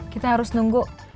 kita harus nunggu